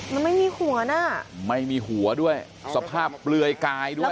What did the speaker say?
มันไม่มีหัวน่ะไม่มีหัวด้วยสภาพเปลือยกายด้วย